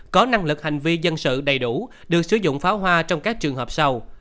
có năng lực hành vi dân sự đầy đủ được sử dụng pháo hoa trong các trường hợp sau